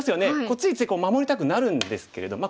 ついつい守りたくなるんですけれどまあ